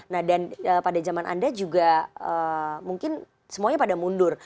nah dan pada zaman anda juga mungkin semuanya pada mundur